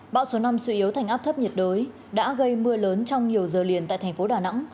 bão số năm suy yếu thành áp thấp nhiệt đới đã gây mưa lớn trong nhiều giờ liền tại thành phố đà nẵng